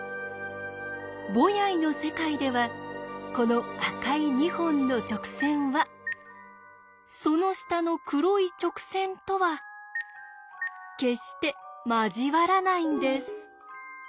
ボヤイの世界ではこの赤い２本の直線はその下の黒い直線とは決して交わらないんです。